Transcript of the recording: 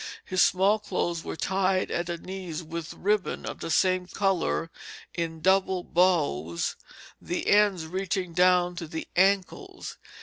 His small clothes were tied at the knees with ribbon of the same colour in double bows, the ends reaching down to the ancles.